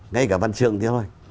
ngay cả văn trương thì nói